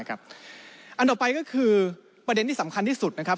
อันต่อไปก็คือประเด็นที่สำคัญที่สุดนะครับ